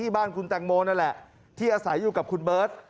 บ้านคุณแตงโมนั่นแหละที่อาศัยอยู่กับคุณเบิร์ต